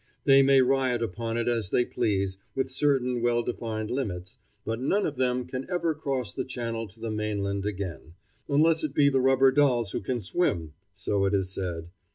They may riot upon it as they please, within certain well defined limits, but none of them can ever cross the channel to the mainland again, unless it be the rubber dolls who can swim, so it is said.